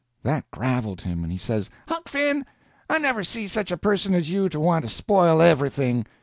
That graveled him, and he says: "Huck Finn, I never see such a person as you to want to spoil everything.